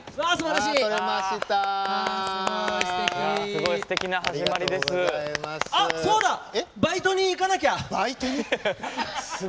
すごいすてきな始まりです！